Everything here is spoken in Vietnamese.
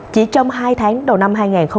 chỉ trong hai tháng đầu năm hai nghìn hai mươi